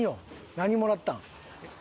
何もらったん？